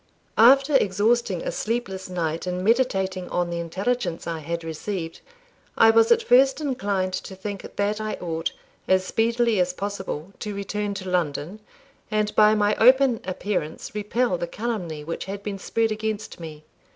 After exhausting a sleepless night in meditating on the intelligence I had received, I was at first inclined to think that I ought, as speedily as possible, to return to London, and by my open appearance repel the calumny which had been spread against me.